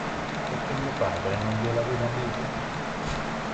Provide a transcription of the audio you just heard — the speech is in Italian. Perché mio padre non gliel'aveva mai detto.